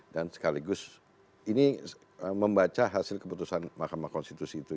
dan sekaligus ini membaca hasil keputusan mahkamah konstitusi itu